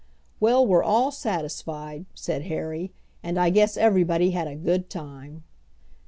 "Well, we're all satisfied," said Harry. "And I guess everybody had a good time."